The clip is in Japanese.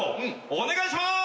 お願いしまーす！